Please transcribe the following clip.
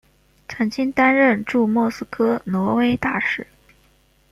曾经担任驻莫斯科挪威大使。